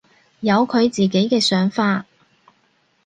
有佢自己嘅想法